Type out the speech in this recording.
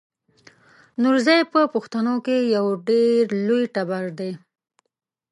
نورزی په پښتنو کې یو ډېر لوی ټبر دی.